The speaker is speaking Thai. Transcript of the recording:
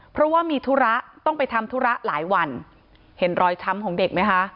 เพราะว่ามีธุระต้องไปทำธุระหลายวันเห็นรอยช้ำของเด็กไหมคะ